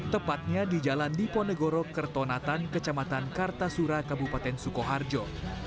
tepatnya di jalan diponegoro kertonatan kecamatan kartasura kabupaten sukoharjo